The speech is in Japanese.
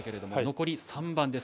残り３番です。